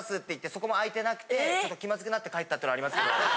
そこも開いてなくてちょっと気まずくなって帰ったってのはありますけど。